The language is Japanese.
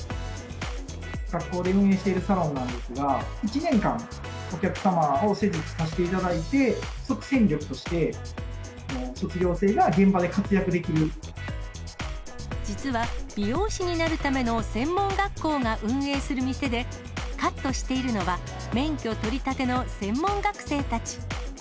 学校で運営しているサロンなんですが、１年間、お客様を施術させていただいて、即戦力として、実は、美容師になるための専門学校が運営する店で、カットしているのは、免許取りたての専門学生たち。